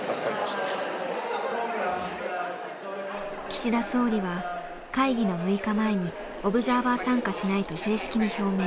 岸田総理は会議の６日前にオブザーバー参加しないと正式に表明。